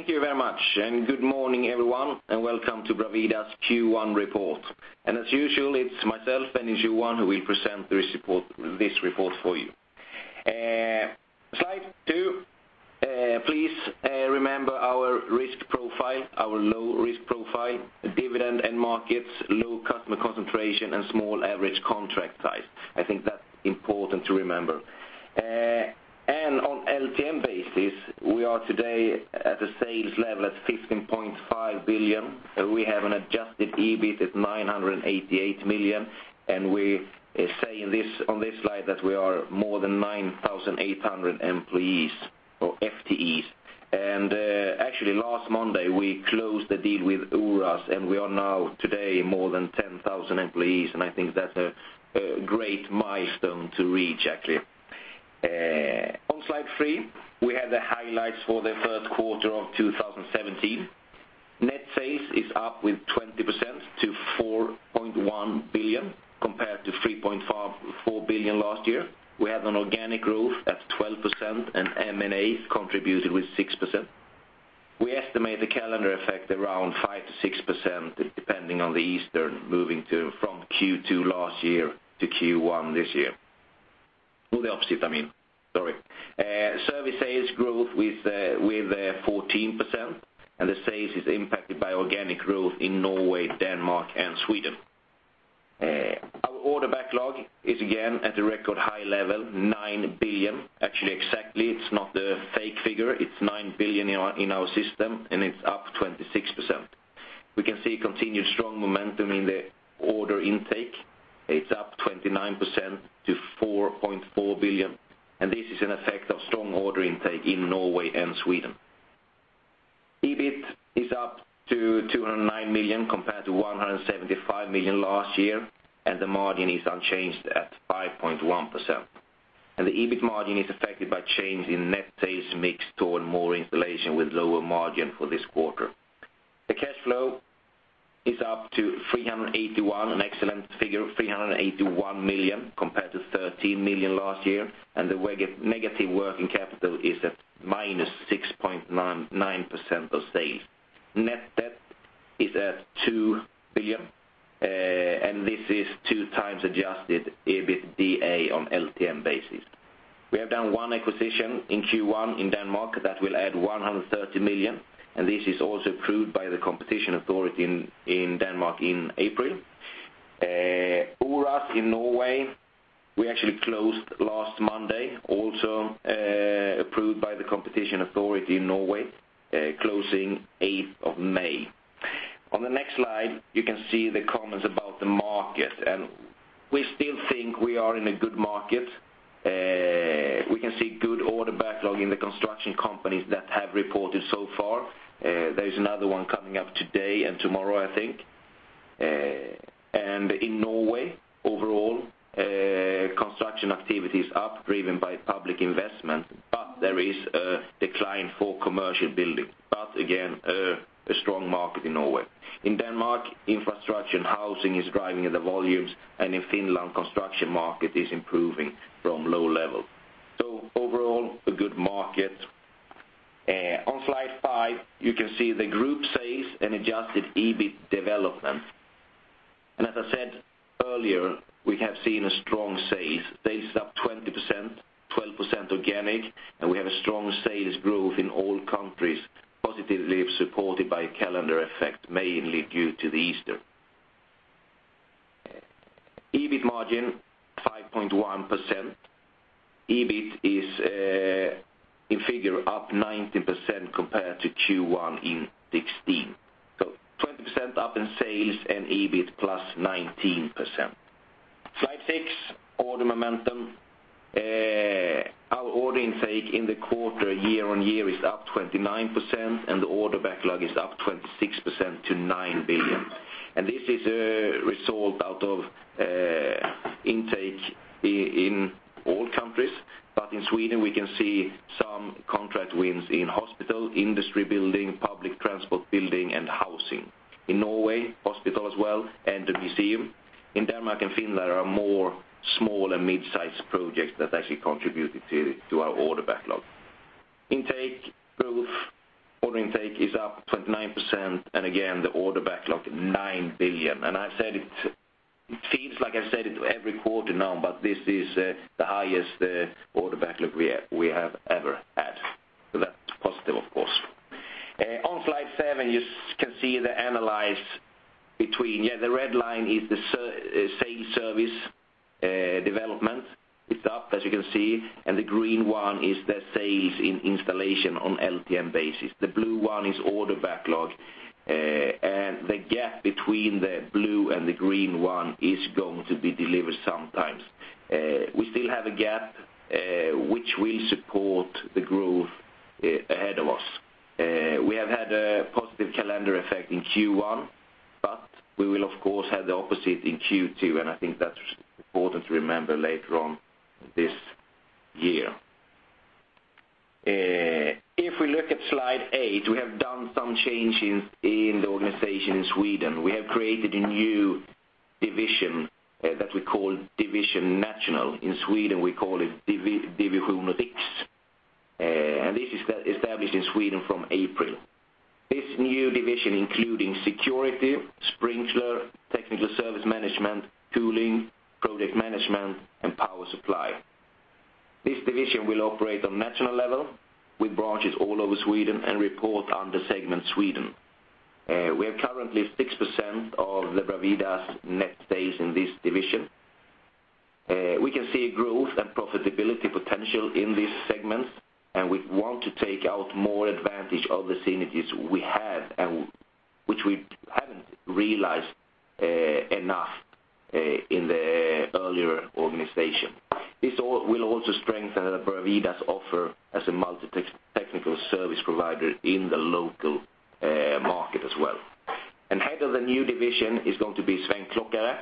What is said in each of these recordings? Thank you very much, and good morning, everyone, and welcome to Bravida's Q1 report. As usual, it's myself and it's Nils-Johan who will present this report for you. Slide two, please remember our risk profile, our low-risk profile, dividend and markets, low customer concentration, and small average contract size. I think that's important to remember. On LTM basis, we are today at a sales level at 15.5 billion, and we have an adjusted EBIT at 988 million, and we say on this slide that we are more than 9,800 employees or FTEs. Actually, last Monday, we closed the deal with Oras, and we are now today more than 10,000 employees, and I think that's a great milestone to reach, actually. On slide three, we have the highlights for the first quarter of 2017. Net sales is up with 20% to 4.1 billion, compared to 4 billion last year. We had an organic growth at 12%. M&A contributed with 6%. We estimate the calendar effect around 5%-6%, depending on the Easter, moving from Q2 last year to Q1 this year. Well, the opposite, I mean, sorry. Service sales growth with 14%. The sales is impacted by organic growth in Norway, Denmark, and Sweden. Our order backlog is again at a record high level, 9 billion. Actually, exactly, it's not a fake figure. It's 9 billion in our system. It's up 26%. We can see continued strong momentum in the order intake. It's up 29% to 4.4 billion. This is an effect of strong order intake in Norway and Sweden. EBIT is up to 209 million compared to 175 million last year. The margin is unchanged at 5.1%. The EBIT margin is affected by change in net sales mix toward more installation with lower margin for this quarter. The cash flow is up to 381 million, an excellent figure, compared to 13 million last year. The negative working capital is at -6.9% of sales. Net debt is at 2 billion. This is 2x adjusted EBITDA on LTM basis. We have done one acquisition in Q1 in Denmark that will add 130 million. This is also approved by the competition authority in Denmark in April. Oras in Norway, we actually closed last Monday, also approved by the competition authority in Norway, closing 8th of May. On the next slide, you can see the comments about the market, and we still think we are in a good market. We can see good order backlog in the construction companies that have reported so far. There is another one coming up today and tomorrow, I think. In Norway, overall, construction activity is up, driven by public investment. There is a decline for commercial building, but again, a strong market in Norway. In Denmark, infrastructure and housing is driving the volumes, and in Finland, construction market is improving from low level. Overall, a good market. On slide five, you can see the group sales and adjusted EBIT development. As I said earlier, we have seen a strong sales. Sales is up 20%, 12% organic, and we have a strong sales growth in all countries, positively supported by calendar effect, mainly due to Easter. EBIT margin, 5.1%. EBIT is in figure, up 19% compared to Q1 in 2016. 20% up in sales and EBIT plus 19%. Slide six, order momentum. Our order intake in the quarter, year-on-year, is up 29%, and the order backlog is up 26% to 9 billion. This is a result out of intake in all countries, but in Sweden, we can see some contract wins in hospital, industry building, public transport building, and housing. In Norway, hospital as well, and the museum. In Denmark and Finland, there are more small and mid-sized projects that actually contributed to our order backlog. Intake growth, order intake is up 29%, and again, the order backlog, 9 billion. I've said it seems like I've said it every quarter now, but this is the highest order backlog we have ever had. That's positive, of course. On slide 7, you can see the analyze between... The red line is the sales service development. It's up, as you can see, and the green one is the sales in installation on LTM basis. The blue one is order backlog. The gap between the blue and the green one is going to be delivered sometimes. We still have a gap, which will support the growth ahead of us. We have had a positive calendar effect in Q1, but we will, of course, have the opposite in Q2, and I think that's important to remember later on this year. If we look at slide 8, we have done some changes in the organization in Sweden. We have created a new division that we call Division National. In Sweden, we call it Division Riks. This is established in Sweden from April. This new division, including security, sprinkler, technical service management, tooling, project management, and power supply. This division will operate on national level, with branches all over Sweden and report under segment Sweden. We are currently 6% of Bravida's net sales in this division. We can see growth and profitability potential in these segments, and we want to take out more advantage of the synergies we have, and which we haven't realized enough in the earlier organization. This all will also strengthen Bravida's offer as a multi-technical service provider in the local market as well. The head of the new division is going to be Sven Klockare,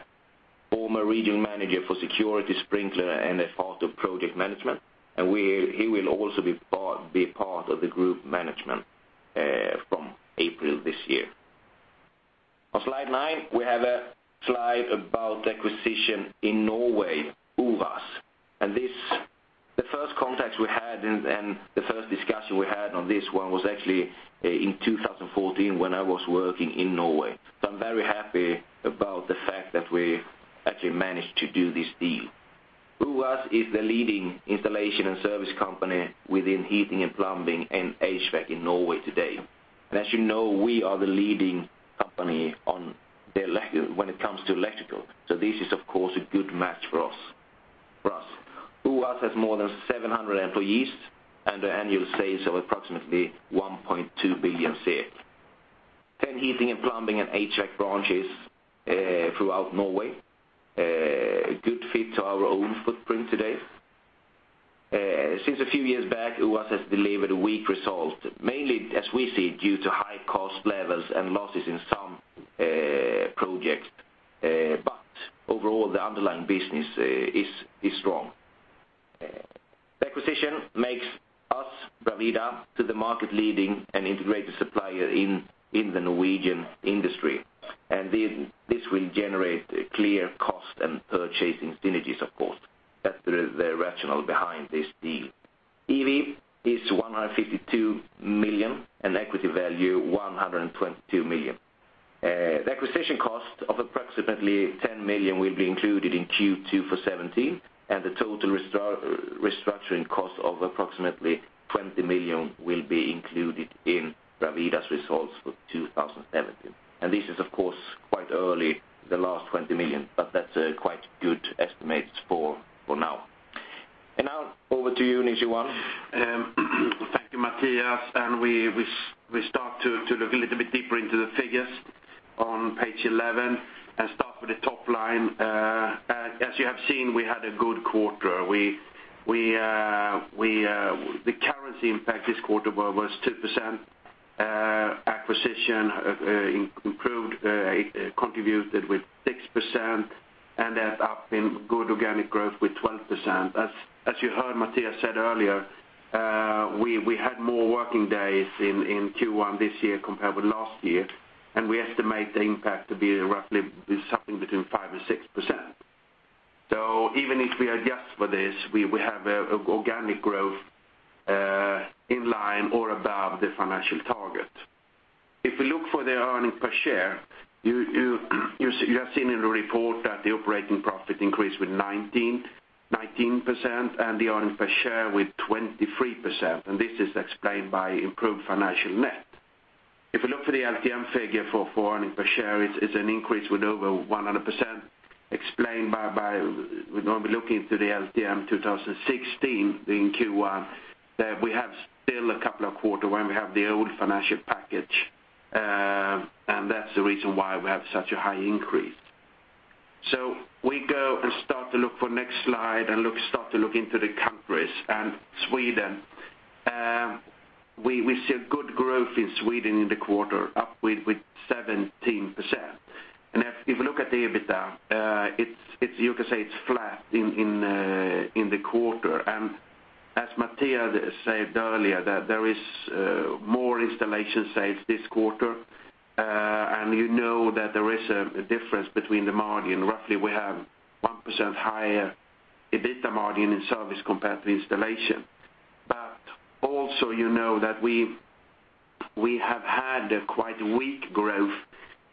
former Regional Manager for Security Sprinkler, and a part of project management. He will also be part of the group management from April this year. On slide 9, we have a slide about acquisition in Norway, Uvås. This, the first contacts we had and the first discussion we had on this one was actually, in 2014 when I was working in Norway. I'm very happy about the fact that we actually managed to do this deal. Uvås is the leading installation and service company within heating and plumbing and HVAC in Norway today. As you know, we are the leading company on the when it comes to electrical. This is, of course, a good match for us. Uvås has more than 700 employees, and the annual sales of approximately 1.2 billion. 10 heating and plumbing and HVAC branches throughout Norway, a good fit to our own footprint today. Since a few years back, Uvås has delivered a weak result, mainly, as we see, due to high cost levels and losses in some projects. Overall, the underlying business is strong. Acquisition makes us, Bravida, to the market leading an integrated supplier in the Norwegian industry. This will generate a clear cost and purchasing synergies, of course. That's the rationale behind this deal. EV is 152 million, and equity value, 122 million. The acquisition cost of approximately 10 million will be included in Q2 2017, and the total restructuring cost of approximately 20 million will be included in Bravida's results for 2017. This is, of course, quite early, the last 20 million, but that's a quite good estimate for now. Now, over to you, Nils-Johan. Thank you, Mattias, we start to look a little bit deeper into the figures on page 11 and start with the top line. As you have seen, we had a good quarter. The currency impact this quarter was 2%. Acquisition improved contributed with 6%, up in good organic growth with 12%. As you heard Mattias said earlier, we had more working days in Q1 this year compared with last year, we estimate the impact to be roughly something between 5% and 6%. Even if we adjust for this, we have organic growth in line or above the financial target. If we look for the earning per share, you have seen in the report that the operating profit increased with 19%, and the earning per share with 23%, and this is explained by improved financial net. If you look for the LTM figure for earning per share, it's an increase with over 100%, explained by when we look into the LTM 2016 in Q1, that we have still a couple of quarter when we have the old financial package, and that's the reason why we have such a high increase. We go and start to look for next slide and start to look into the countries. Sweden, we see a good growth in Sweden in the quarter, up with 17%. If you look at the EBITDA, you could say it's flat in the quarter. As Mattias said earlier, there is more installation sales this quarter, and you know that there is a difference between the margin. Roughly, we have 1% higher EBITDA margin in service compared to installation. Also, you know that we have had a quite weak growth,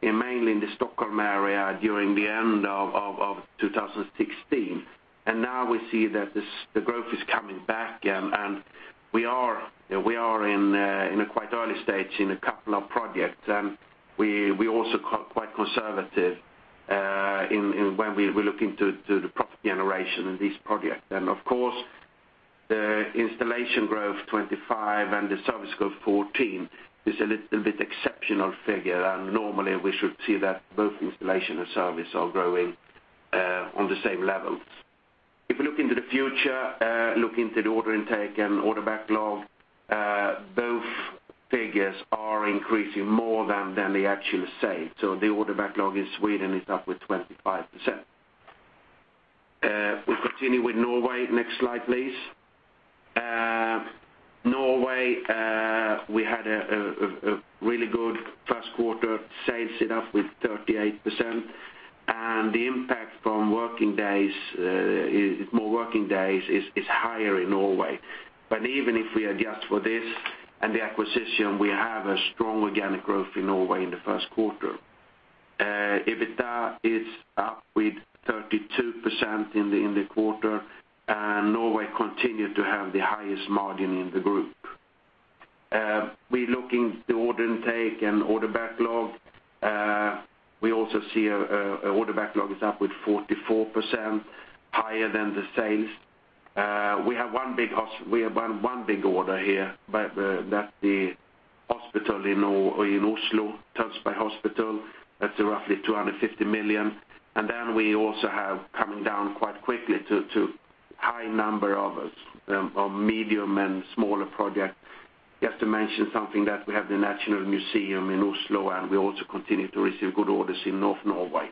mainly in the Stockholm area during the end of 2016. Now we see that this, the growth is coming back, and we are in a quite early stage in a couple of projects. We also quite conservative when we look into the profit generation in this project. Of course, the installation growth, 25%, and the service growth, 14%, is a little bit exceptional figure. Normally, we should see that both installation and service are growing on the same levels. If you look into the future, look into the order intake and order backlog, both figures are increasing more than the actual sale. The order backlog in Sweden is up with 25%. We continue with Norway. Next slide, please. Norway, we had a really good first quarter sales it up with 38%, and the impact from working days is more working days is higher in Norway. Even if we adjust for this and the acquisition, we have a strong organic growth in Norway in the first quarter. EBITDA is up with 32% in the quarter. Norway continued to have the highest margin in the group. We're looking the order intake and order backlog, we also see order backlog is up with 44%, higher than the sales. We have one big order here. That's the hospital in Oslo, Tønsberg Hospital, that's roughly 250 million. We also have coming down quite quickly to high number of medium and smaller projects. Just to mention something that we have the National Museum in Oslo. We also continue to receive good orders in North Norway.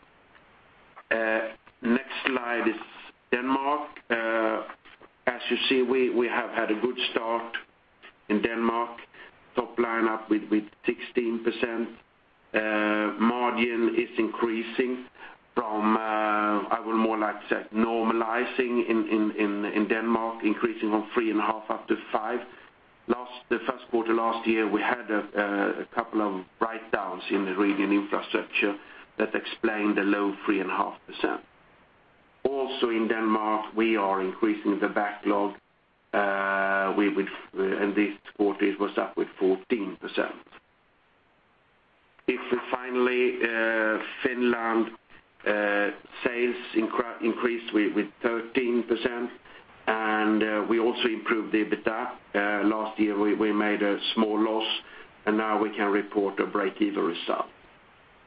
Next slide is Denmark. As you see, we have had a good start in Denmark, top line up with 16%. Margin is increasing from, I will more like say normalizing in Denmark, increasing from 3.5% up to 5%. The first quarter last year, we had a couple of write-downs in the region infrastructure that explained the low 3.5%. Also, in Denmark, we are increasing the backlog, and this quarter, it was up with 14%. If we finally, Finland, sales increased with 13%, and we also improved the EBITDA. Last year, we made a small loss, and now we can report a break-even result.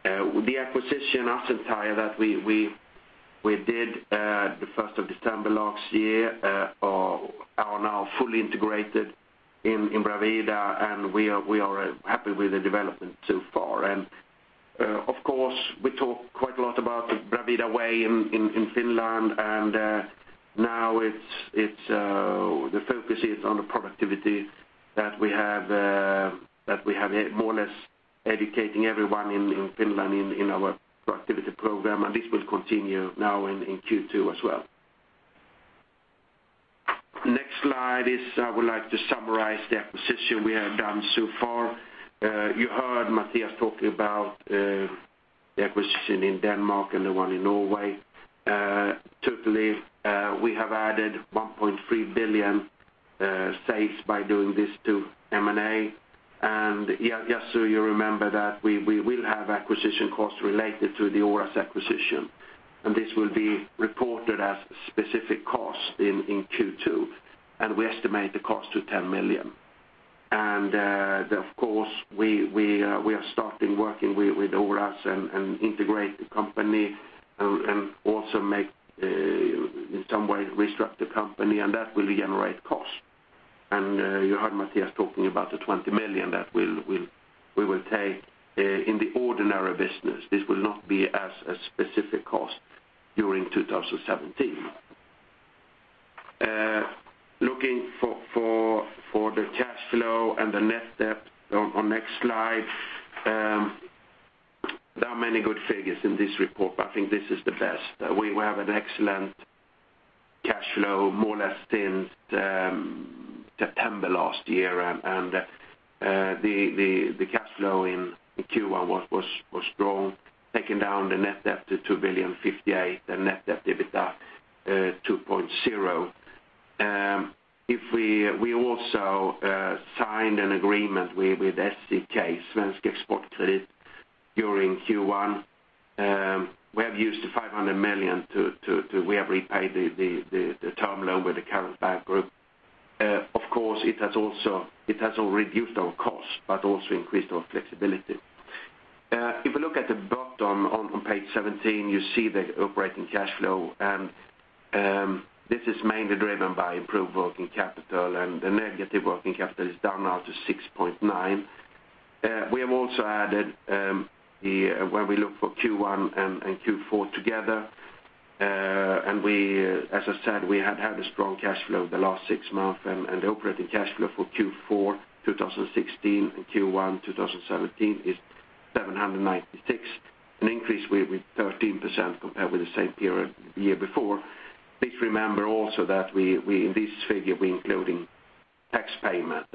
The acquisition, Asentia, that we did the 1st of December last year, are now fully integrated in Bravida, and we are happy with the development so far. Of course, we talk quite a lot about the Bravida Way in, in Finland, and now it's, the focus is on the productivity that we have, that we have more or less educating everyone in Finland, in our productivity program, and this will continue now in Q2 as well. Next slide is I would like to summarize the acquisition we have done so far. You heard Mattias talking about the acquisition in Denmark and the one in Norway. Totally, we have added 1.3 billion sales by doing this to M&A. Just so you remember that we will have acquisition costs related to the Oras acquisition, and this will be reported as specific costs in Q2, and we estimate the cost to 10 million. Of course, we are starting working with Oras and integrate the company and also make in some way, restructure the company, and that will generate cost. You heard Mattias talking about 20 million that we will take in the ordinary business. This will not be as a specific cost during 2017. Looking for the cash flow and the net debt on next slide, there are many good figures in this report, but I think this is the best. We have an excellent cash flow, more or less since September last year, and the cash flow in Q1 was strong, taking down the net debt to 2.058 billion, the net debt EBITDA, 2.0. If we also signed an agreement with SEK, Svensk Exportkredit, during Q1, we have used 500 million to we have repaid the term loan with the current bank group. Of course, it has also reduced our cost, but also increased our flexibility. If you look at the bottom on page 17, you see the operating cash flow, and this is mainly driven by improved working capital, and the negative working capital is down now to 6.9. We have also added, the, when we look for Q1 and Q4 together, we, as I said, we have had a strong cash flow the last six months. The operating cash flow for Q4 2016 and Q1 2017 is 796 million, an increase with 13% compared with the same period the year before. Please remember also that we, in this figure, we including tax payment,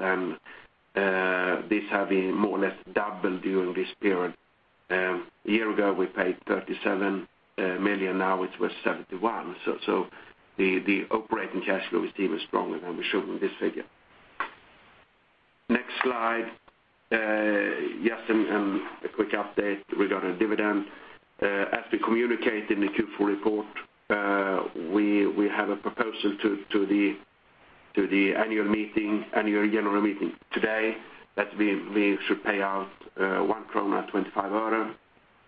this have been more or less double during this period. A year ago, we paid 37 million, now it was 71 million. The operating cash flow is even stronger than we showed in this figure. Next slide, yes, a quick update regarding dividend. As we communicate in the Q4 report, we have a proposal to the Annual General Meeting today, that we should pay out SEK 1.25,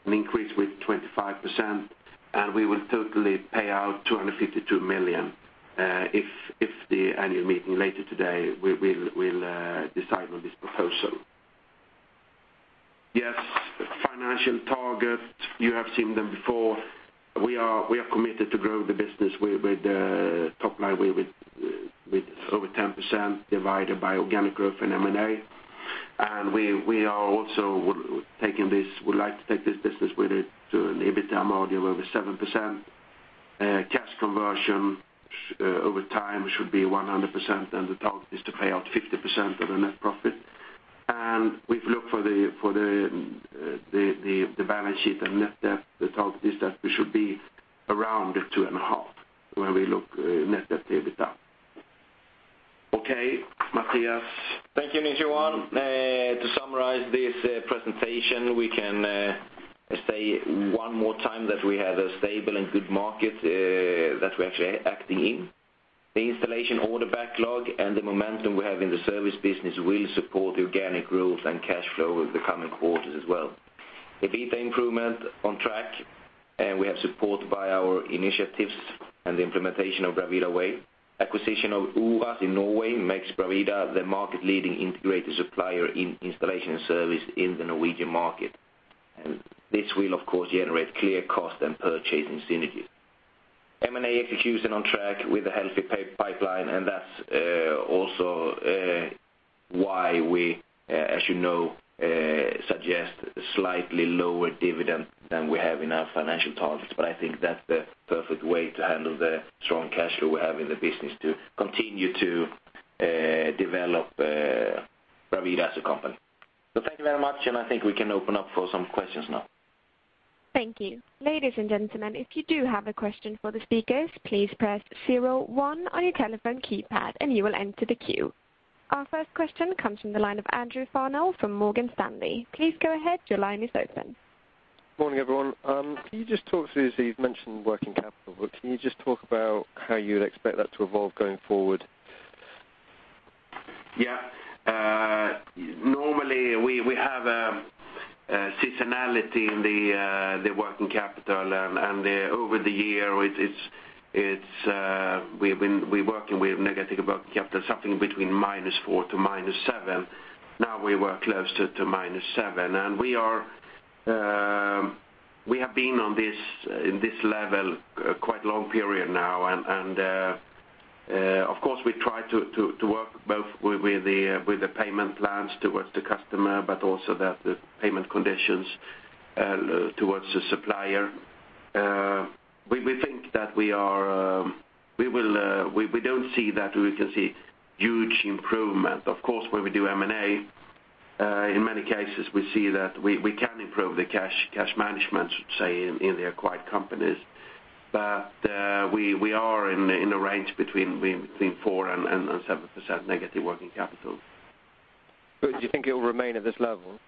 an increase with 25%, and we will totally pay out 252 million, if the Annual General Meeting later today, we'll decide on this proposal. Yes, financial target, you have seen them before. We are committed to grow the business with top line, with over 10%, divided by organic growth and M&A. We are also would, taking this, would like to take this business with it to an EBITDA margin of over 7%. Cash conversion over time should be 100%, and the target is to pay out 50% of the net profit. We've looked for the balance sheet and net debt. The target is that we should be around 2.5 when we look net debt to EBITDA. Okay, Mattias? Thank you, Nils-Johan. To summarize this presentation, we can say one more time that we have a stable and good market, that we're actually acting in. The installation order backlog and the momentum we have in the service business will support organic growth and cash flow over the coming quarters as well. EBITDA improvement on track, and we have support by our initiatives and the implementation of Bravida Way. Acquisition of Uvås in Norway makes Bravida the market-leading integrated supplier in installation and service in the Norwegian market. This will, of course, generate clear cost and purchasing synergies. M&A execution on track with a healthy pipe pipeline, that's also why we, as you know, suggest slightly lower dividend than we have in our financial targets. I think that's the perfect way to handle the strong cash flow we have in the business, to continue to develop Bravida as a company. Thank you very much, and I think we can open up for some questions now. Thank you. Ladies and gentlemen, if you do have a question for the speakers, please press 01 on your telephone keypad. You will enter the queue. Our first question comes from the line of Andrew Frampton from Morgan Stanley. Please go ahead. Your line is open. Morning, everyone. Can you just talk through, so you've mentioned working capital, but can you just talk about how you'd expect that to evolve going forward? Yeah. Normally, we have a seasonality in the working capital, over the year, we're working with negative working capital, something between -4% to -7%. Now, we work closer to -7%, and we are, we have been on this, in this level quite a long period now. Of course, we try to work both with the payment plans towards the customer, but also that the payment conditions towards the supplier. We think that we are, we will, we don't see that we can see huge improvement. Of course, when we do M&A, in many cases, we see that we can improve the cash management, should say, in the acquired companies. We are in a range between 4% and 7% negative working capital. Do you think it will remain at this level?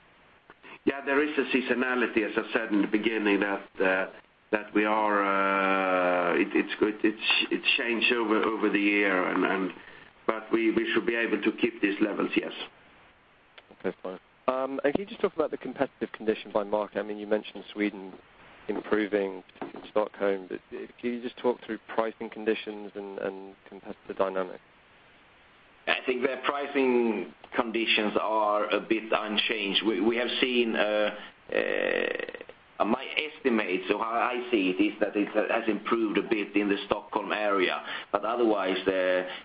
Yeah, there is a seasonality, as I said in the beginning, that we are. It's good. It's changed over the year, and, but we should be able to keep these levels, yes. Okay, fine. Can you just talk about the competitive conditions by market? I mean, you mentioned Sweden improving in Stockholm, but can you just talk through pricing conditions and competitive dynamics? I think the pricing conditions are a bit unchanged. We have seen my estimate, so how I see it, is that it has improved a bit in the Stockholm area. Otherwise,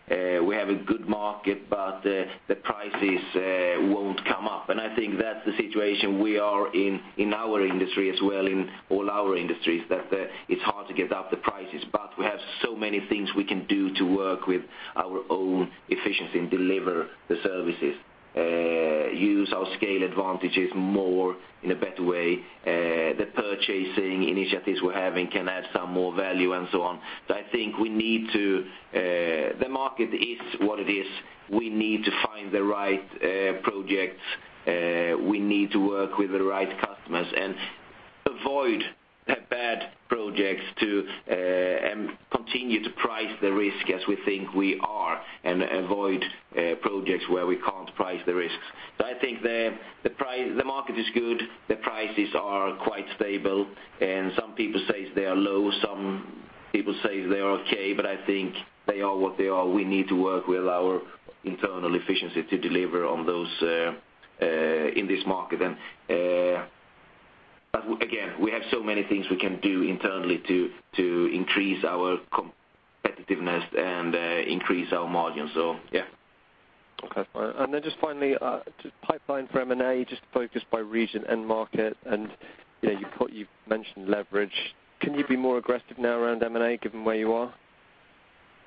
we have a good market, but the prices won't come up. I think that's the situation we are in our industry as well, in all our industries, that it's hard to get up the prices. We have so many things we can do to work with our own efficiency and deliver the services, use our scale advantages more in a better way. The purchasing initiatives we're having can add some more value, and so on. I think we need to, the market is what it is. We need to find the right projects. We need to work with the right customers and avoid the bad projects to and continue to price the risk as we think we are, and avoid projects where we can't price the risks. I think the price, the market is good, the prices are quite stable, and some people say they are low, some people say they are okay, but I think they are what they are. We need to work with our internal efficiency to deliver on those in this market. But again, we have so many things we can do internally to increase our competitiveness and increase our margins. Yeah. Okay, fine. Then just finally, just pipeline for M&A, just focus by region and market, you know, you've mentioned leverage. Can you be more aggressive now around M&A, given where you are?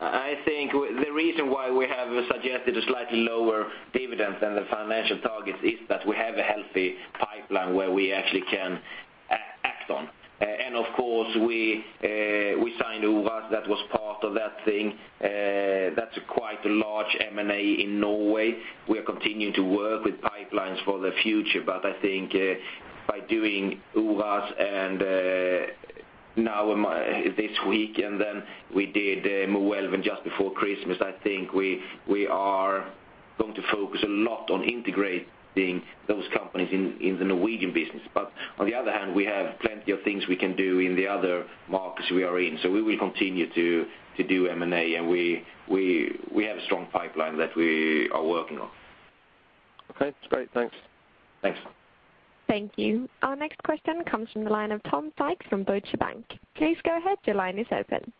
I think the reason why we have suggested a slightly lower dividend than the financial targets is that we have a healthy pipeline where we actually can act on. Of course, we signed Uvås. That was part of that thing. That's quite a large M&A in Norway. We are continuing to work with pipelines for the future, but I think by doing Uvås and now this week, and then we did Moelven just before Christmas, I think we are going to focus a lot on integrating those companies in the Norwegian business. On the other hand, we have plenty of things we can do in the other markets we are in. We will continue to do M&A, and we have a strong pipeline that we are working on. Okay, great. Thanks. Thanks. Thank you. Our next question comes from the line of Tom Sykes from Deutsche Bank. Please go ahead, your line is open.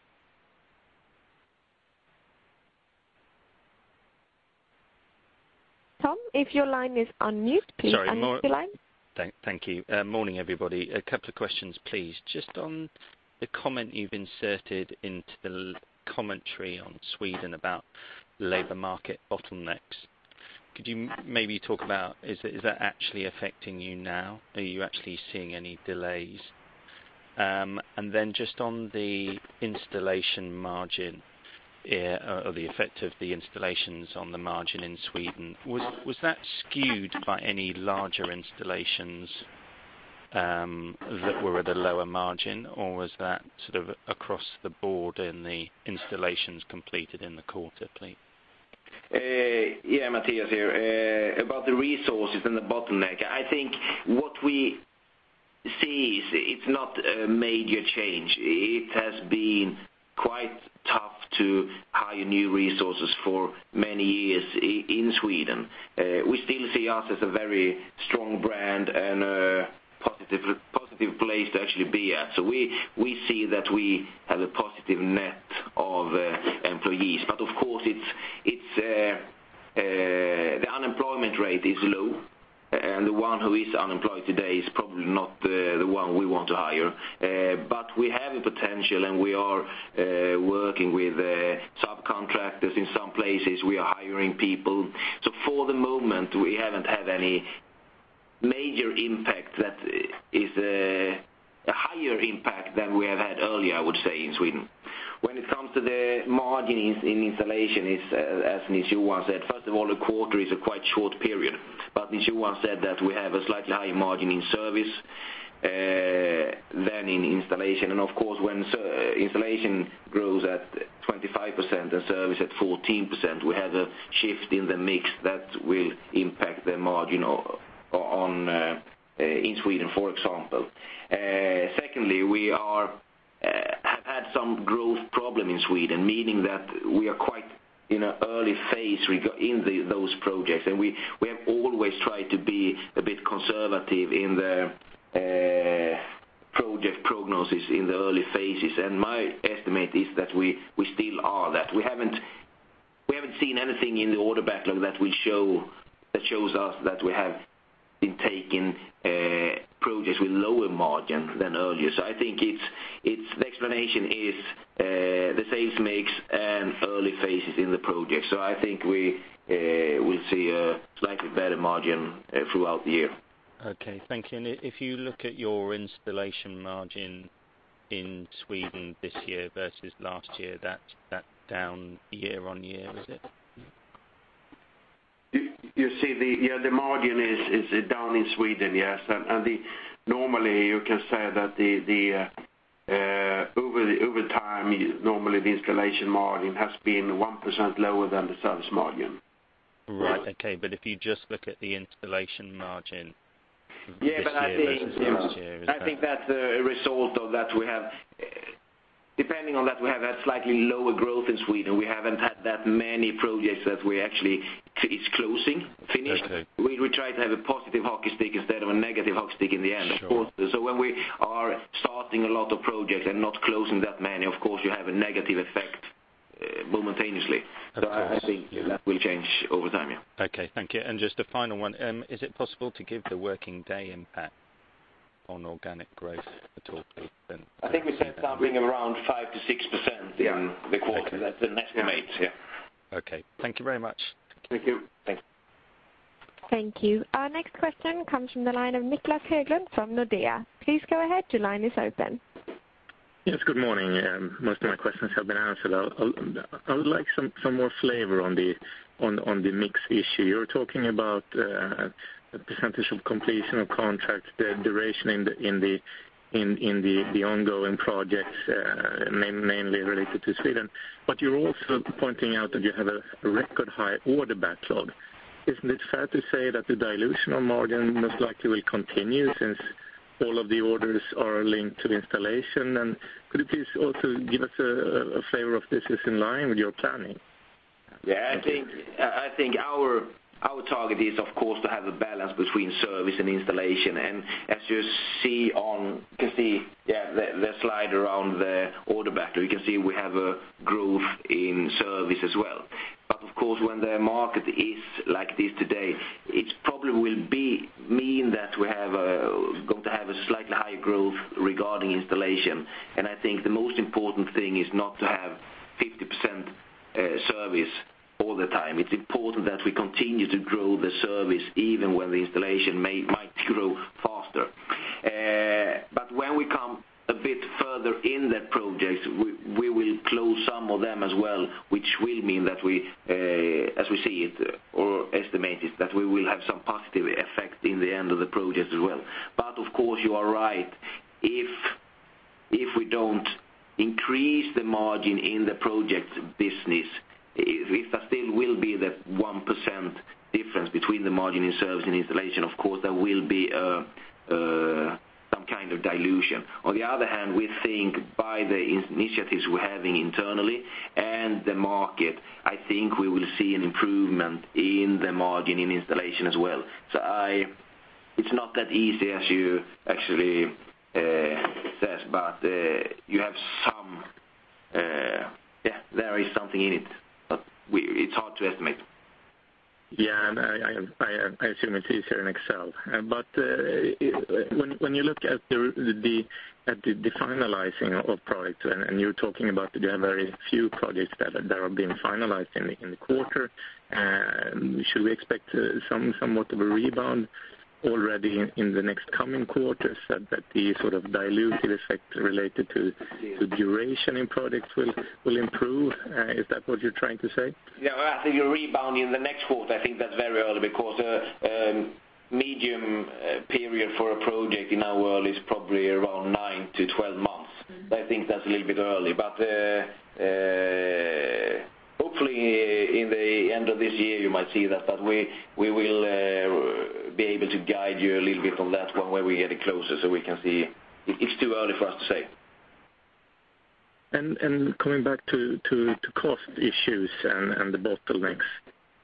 Tom, if your line is on mute, please unmute your line. Sorry, thank you. Morning, everybody. A couple of questions, please. Just on the comment you've inserted into the commentary on Sweden about labor market bottlenecks, could you maybe talk about, is that actually affecting you now? Are you actually seeing any delays? Then just on the installation margin, or the effect of the installations on the margin in Sweden, was that skewed by any larger installations, that were at a lower margin, or was that sort of across the board in the installations completed in the quarter, please? Yeah, Mattias here. About the resources and the bottleneck, I think what we see is it's not a major change. It has been quite tough to hire new resources for many years in Sweden. We still see us as a very strong brand and a positive place to actually be at. We see that we have a positive net of employees. Of course, it's the unemployment rate is low, and the one who is unemployed today is probably not the one we want to hire. We have a potential, and we are working with subcontractors. In some places, we are hiring people. For the moment, we haven't had any major impact that is a higher impact than we have had earlier, I would say, in Sweden. When it comes to the margin in installation, it's, as Nils-Johan said, first of all, a quarter is a quite short period. Nils-Johan said that we have a slightly higher margin in service than in installation. Of course, when installation grows at 25% and service at 14%, we have a shift in the mix that will impact the margin of, on, in Sweden, for example. Secondly, we are have had some growth problem in Sweden, meaning that we are quite in an early phase in those projects, and we have always tried to be a bit conservative in the project prognosis in the early phases. My estimate is that we still are that. We haven't seen anything in the order backlog that shows us that we have been taking projects with lower margin than earlier. I think it's the explanation is the sales mix and early phases in the project. I think we will see a slightly better margin throughout the year. Okay. Thank you. If you look at your installation margin in Sweden this year versus last year, that's down year-on-year, is it? You see the, yeah, the margin is down in Sweden, yes. The normally, you can say that the over the, over time, normally, the installation margin has been 1% lower than the service margin. Right. Okay, if you just look at the installation margin. Yeah, but I think- -this year versus last year. I think that's a result. Depending on that, we have had slightly lower growth in Sweden. We haven't had that many projects that we actually finished. Okay. We try to have a positive hockey stick instead of a negative hockey stick in the end, of course. Sure. When we are starting a lot of projects and not closing that many, of course, you have a negative effect, momentarily. Okay. I think that will change over time, yeah. Okay, thank you. Just a final one, is it possible to give the working day impact on organic growth at all, please? I think we said something around 5%-6% in the quarter. Okay. The net mate, yeah. Okay. Thank you very much. Thank you. Thanks. Thank you. Our next question comes from the line of Niklas Holmer from Nordea. Please go ahead. Your line is open. Yes, good morning. Most of my questions have been answered. I would like some more flavor on the mix issue. You're talking about a percentage of completion of contracts, the duration in the ongoing projects, mainly related to Sweden. You're also pointing out that you have a record high order backlog. Isn't it fair to say that the dilution of margin most likely will continue since all of the orders are linked to the installation? Could you please also give us a favor of this is in line with your planning? Yeah. Thank you. I think our target is, of course, to have a balance between service and installation. As you see on, you can see the slide around the order backlog, you can see we have a growth in service as well. Of course, when the market is like this today, it probably will be mean that we have going to have a slightly higher growth regarding installation. I think the most important thing is not to have 50% service all the time. It's important that we continue to grow the service even when the installation might grow faster. When we come a bit further in that project, we will close some of them as well, which will mean that we, as we see it, or estimate it, that we will have some positive effect in the end of the project as well. Of course, you are right. If we don't increase the margin in the project business, if that still will be the 1% difference between the margin in service and installation, of course, there will be a kind of dilution. On the other hand, we think by the initiatives we're having internally and the market, I think we will see an improvement in the margin in installation as well. It's not that easy as you actually says, you have some, there is something in it, but we, it's hard to estimate. I assume it's easier in Excel. When you look at the finalizing of products, and you're talking about there are very few projects that are being finalized in the quarter, should we expect somewhat of a rebound already in the next coming quarters, that the sort of dilutive effect related to...? Yeah the duration in products will improve? Is that what you're trying to say? Yeah, I think a rebound in the next quarter, I think that's very early because medium period for a project in our world is probably around 9 to 12 months. I think that's a little bit early. Hopefully in the end of this year, you might see that, but we will be able to guide you a little bit on that one when we get it closer, so we can see. It, it's too early for us to say. Coming back to cost issues and the bottlenecks,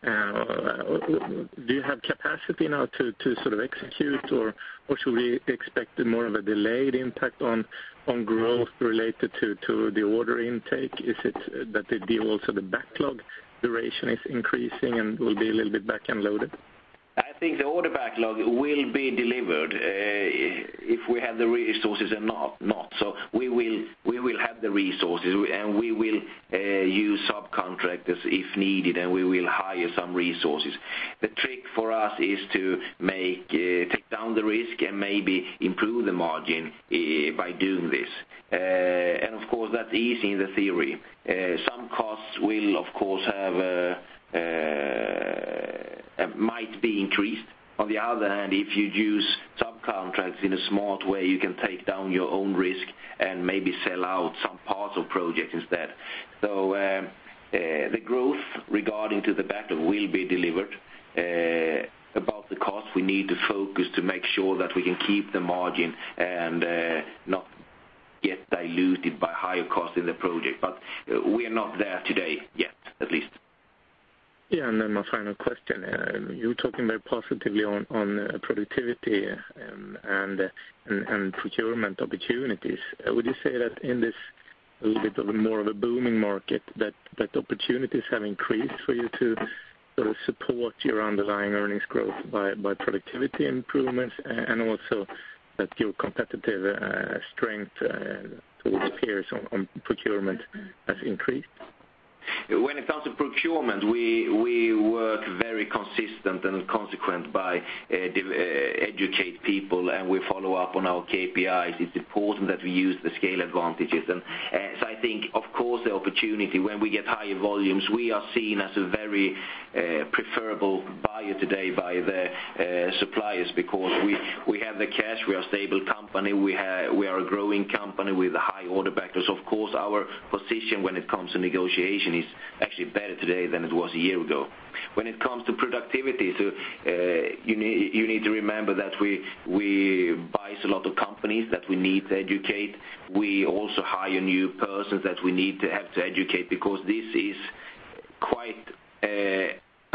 do you have capacity now to sort of execute, or should we expect more of a delayed impact on growth related to the order intake? Is it that the also the backlog duration is increasing and will be a little bit back-end loaded? I think the order backlog will be delivered, if we have the resources and not. We will have the resources, and we will use subcontractors if needed, and we will hire some resources. The trick for us is to make take down the risk and maybe improve the margin by doing this. Of course, that's easy in the theory. Some costs will of course have might be increased. On the other hand, if you use subcontracts in a smart way, you can take down your own risk and maybe sell out some parts of projects instead. The growth regarding to the backlog will be delivered. About the cost, we need to focus to make sure that we can keep the margin and not get diluted by higher costs in the project, but we are not there today yet, at least. Yeah. My final question. You're talking very positively on productivity and procurement opportunities. Would you say that in this a little bit of a more of a booming market, that opportunities have increased for you to sort of support your underlying earnings growth by productivity improvements, and also that your competitive strength towards peers on procurement has increased? When it comes to procurement, we work very consistent and consequent by educate people. We follow up on our KPIs. It's important that we use the scale advantages. I think, of course, the opportunity when we get higher volumes, we are seen as a very preferable buyer today by the suppliers because we have the cash, we are a stable company, we are a growing company with high order factors. Of course, our position when it comes to negotiation is actually better today than it was a year ago. When it comes to productivity, you need to remember that we buys a lot of companies that we need to educate. We also hire new persons that we need to have to educate because this is quite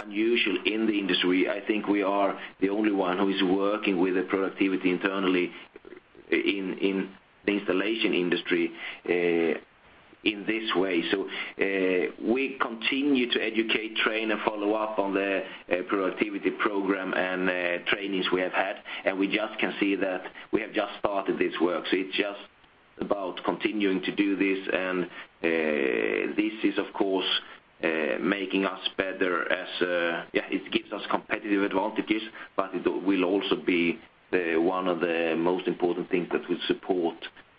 unusual in the industry. I think we are the only one who is working with the productivity internally in the installation industry in this way. We continue to educate, train, and follow up on the productivity program and trainings we have had, and we just can see that we have just started this work. It's just about continuing to do this, and this is, of course, making us better as, yeah, it gives us competitive advantages, but it will also be the, one of the most important things that will support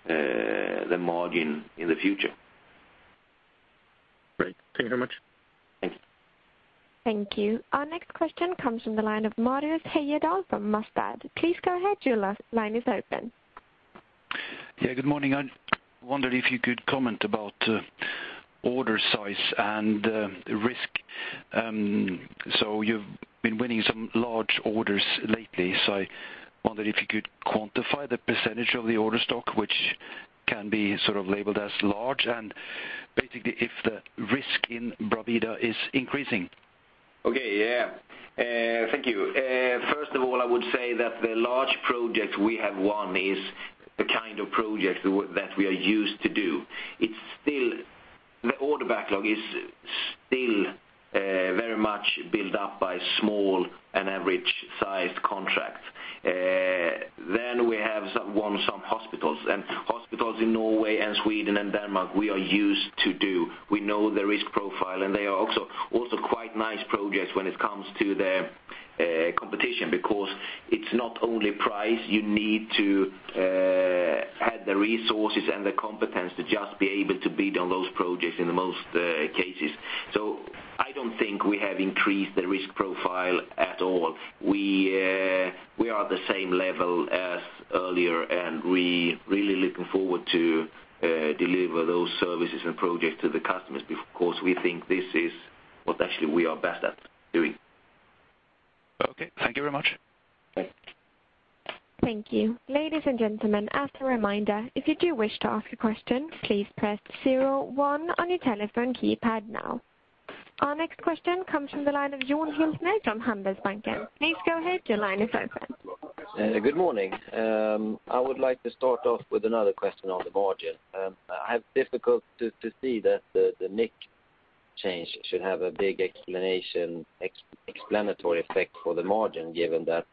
the margin in the future. Great. Thank you very much. Thank you. Thank you. Our next question comes from the line of Marius Heyerdahl from Danske Bank. Please go ahead, your line is open. Good morning. I wondered if you could comment about order size and risk. You've been winning some large orders lately, so I wondered if you could quantify the percentage of the order stock, which can be sort of labeled as large, and basically, if the risk in Bravida is increasing. Okay, yeah. Thank you. First of all, I would say that the large project we have won is the kind of project that we are used to do. It's still, the order backlog is still very much built up by small and average-sized contracts. We have won some hospitals, and hospitals in Norway and Sweden and Denmark, we are used to do. We know the risk profile, and they are also quite nice projects when it comes to the competition, because it's not only price, you need to add the resources and the competence to just be able to bid on those projects in the most cases. I don't think we have increased the risk profile at all. We are at the same level as earlier, and we really looking forward to deliver those services and projects to the customers, because we think this is what actually we are best at doing. Okay, thank you very much. Thank you. Ladies and gentlemen, as a reminder, if you do wish to ask a question, please press 01 on your telephone keypad now. Our next question comes from the line of Johan Hilgert from Handelsbanken. Please go ahead. Your line is open. Good morning. I would like to start off with another question on the margin. I have difficult to see that the mix change should have a big explanatory effect for the margin, given that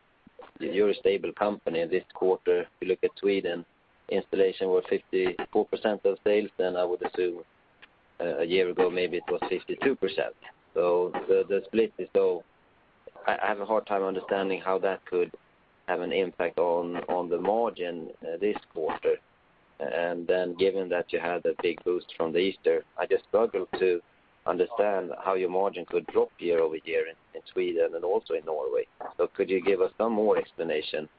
you're a stable company in this quarter. If you look at Sweden, installation was 54% of sales, then I would assume, a year ago, maybe it was 52%. The split is low. I have a hard time understanding how that could have an impact on the margin this quarter. Given that you had a big boost from the Easter, I just struggle to understand how your margin could drop year-over-year in Sweden and also in Norway. Could you give us some more explanation? Yeah,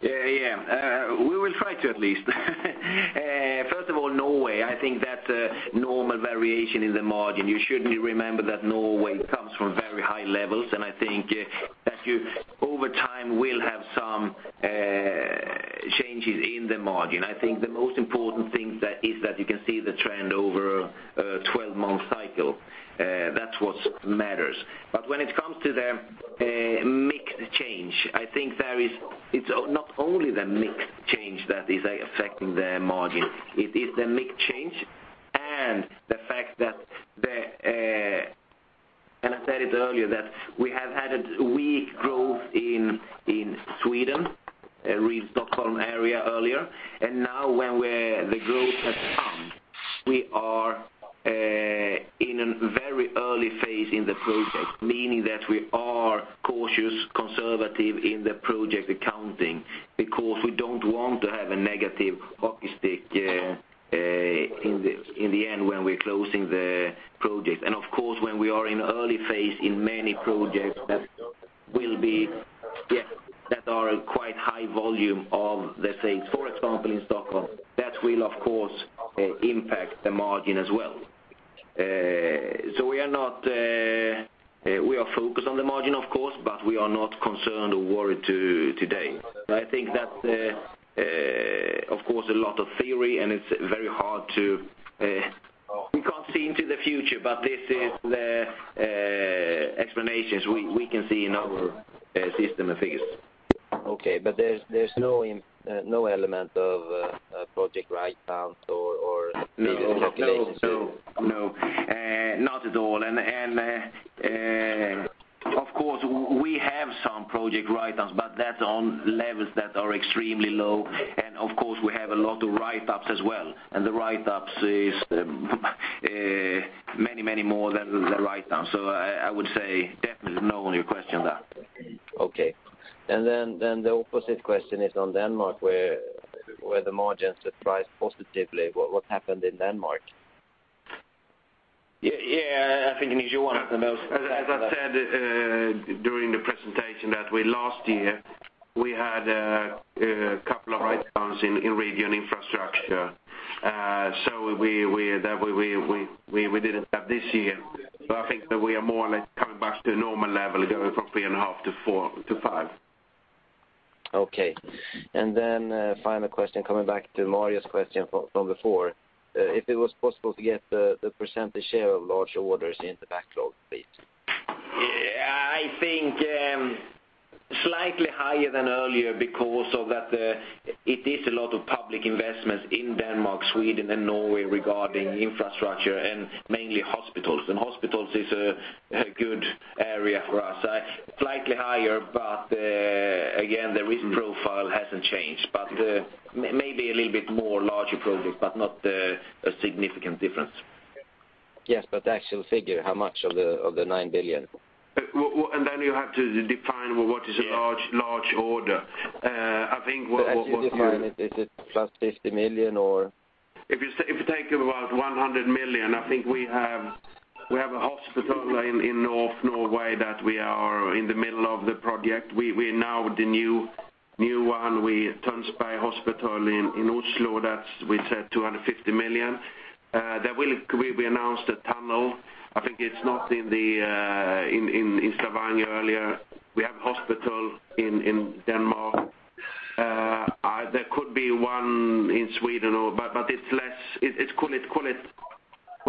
yeah. We will try to at least. First of all, Norway, I think that's a normal variation in the margin. You should remember that Norway comes from very high levels, and I think that you, over time, will have some changes in the margin. I think the most important thing that is that you can see the trend over a 12-month cycle. That's what matters. When it comes to the mix change, I think it's not only the mix change that is affecting the margin, it is the mix change and the fact that, and I said it earlier, that we have had a weak growth in Sweden, Stockholm area earlier. Now when the growth has come, we are in a very early phase in the project, meaning that we are cautious, conservative in the project accounting, because we don't want to have a negative hockey stick in the end when we're closing the project. Of course, when we are in early phase in many projects, that are quite high volume of, let's say, for example, in Stockholm, that will of course, impact the margin as well. We are not, we are focused on the margin, of course, but we are not concerned or worried today. I think that's, of course, a lot of theory, and it's very hard to, we can't see into the future, but this is the explanations we can see in our system and figures. Okay, there's no element of project write down or. No, no. Not at all. Of course, we have some project write downs, but that's on levels that are extremely low. Of course, we have a lot of write ups as well, and the write ups is many, many more than the write downs. I would say definitely no on your question there. Okay. then the opposite question is on Denmark, where the margins surprised positively. What happened in Denmark? Yeah, yeah, I think, Johan. As I said, during the presentation that we last year, we had a couple of write downs in region infrastructure. We didn't have this year. I think that we are more or less coming back to a normal level, going from 3.5 to 4 to 5. Okay. Final question, coming back to Marius' question from before. If it was possible to get the % share of large orders in the backlog, please? Yeah, I think, slightly higher than earlier because of that, it is a lot of public investments in Denmark, Sweden, and Norway regarding infrastructure and mainly hospitals. Hospitals is a good area for us. Slightly higher, but maybe a little bit more larger projects, but not a significant difference. Yes, the actual figure, how much of the 9 billion? Well, you have to define what is a. Yeah... large order. I think. As you define it, is it plus 50 million or? If you take about 100 million, I think we have a hospital in North Norway that we are in the middle of the project. We now, the new one, Tønsberg Hospital in Oslo, that's we said, 250 million. That will, we announced a tunnel. I think it's not in Stavanger earlier. We have hospital in Denmark. There could be one in Sweden or... It's less, it's, call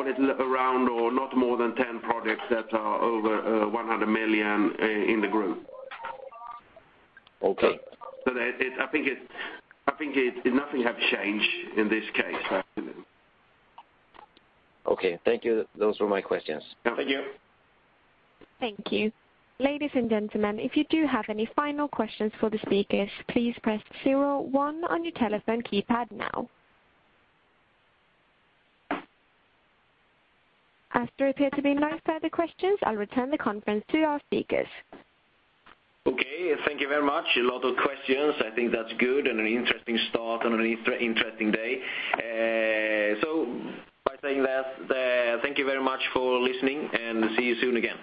it around or not more than 10 projects that are over 100 million in the group. Okay. that I think it, nothing have changed in this case. Okay. Thank you. Those were my questions. Thank you. Thank you. Ladies and gentlemen, if you do have any final questions for the speakers, please press zero one on your telephone keypad now. As there appear to be no further questions, I'll return the conference to our speakers. Okay, thank you very much. A lot of questions. I think that's good and interesting start and interesting day. By saying that, thank you very much for listening, and see you soon again.